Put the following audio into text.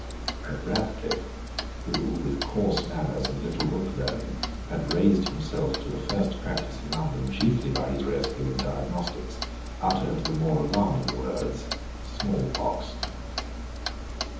But Radcliffe, who, with coarse manners and little book learning, had raised himself to the first practice in London chiefly by his rare skill in diagnostics, uttered the more alarming words, small pox.